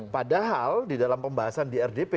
padahal di dalam pembahasan di rdp